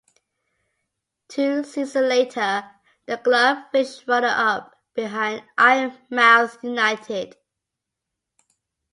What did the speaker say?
Two seasons later, the club finished runner-up behind Eyemouth United.